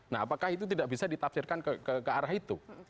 nah apakah itu tidak bisa ditafsirkan ke arah itu